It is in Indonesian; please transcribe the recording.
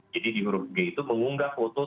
jadi di huruf g itu mengunggah foto